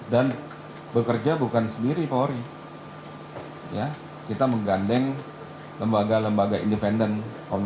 dan bekerja bukan sendiri fori ya kita menggandeng lembaga lembaga independence tiktok yang menggunakan